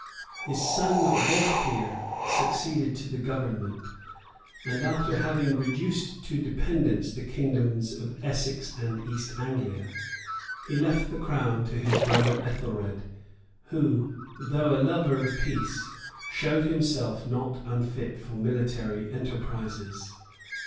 [*] His son Wolfhere succeeded to the government; and, after having reduced to dependence the kingdoms of Essex and East Anglia, he left the crown to his brother Ethelred, who, though a lover of peace, showed himself not unfit for military enterprises.